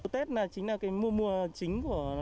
tết là cái mùa mùa chính của